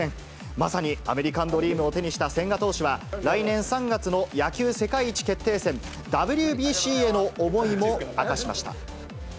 まさにアメリカンドリームを手にした千賀投手は、来年３月の野球世界一決定戦、ＷＢＣへの思いも明かしました。